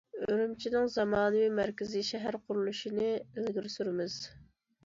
ئۈرۈمچىنىڭ زامانىۋى مەركىزىي شەھەر قۇرۇلۇشىنى ئىلگىرى سۈرىمىز.